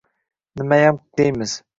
Nimayam deymiz.